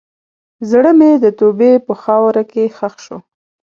زړه مې د توبې په خاوره کې ښخ شو.